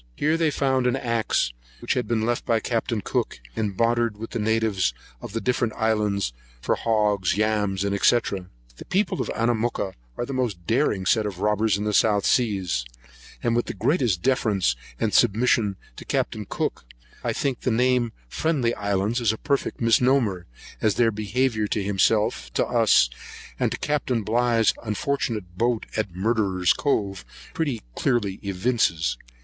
Here they found an axe, which had been left by Capt. Cook, and bartered with the natives of the different islands for hogs, yams, &c. The people of Anamooka are the most daring set of robbers in the South Seas; and, with the greatest deference and submission to Capt. Cook, I think the name of Friendly Isles is a perfect misnomer, as their behaviour to himself, to us, and to Capt. Bligh's unfortunate boat at Murderer's Cove, pretty clearly evinces.